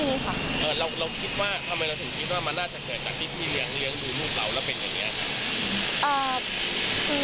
เออทำไมเราถึงคิดว่ามันน่าจะเกิดจากที่พี่เลี้ยงเลี้ยงดูลูกเราแล้วเป็นอย่างนี้